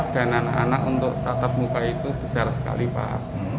dan anak anak untuk tatap muka itu besar sekali pak